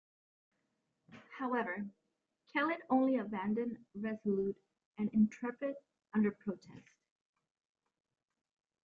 However, Kellett only abandoned "Resolute" and "Intrepid" under protest.